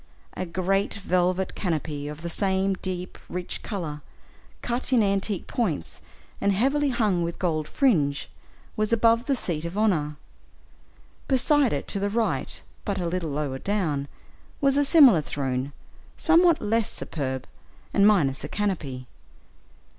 A great velvet canopy of the same deep, rich color, cut in antique points, and heavily hung with gold fringe, was above the seat of honor. Beside it, to the right, but a little lower down, was a similar throne, somewhat less superb, and minus a canopy.